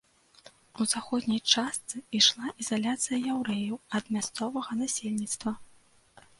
У заходняй частцы ішла ізаляцыя яўрэяў ад мясцовага насельніцтва.